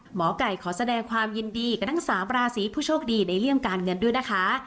หมอไก่ขอแสดงความยินดีกับทั้ง๓ราศีผู้โชคดีในเรื่องการเงินด้วยนะคะ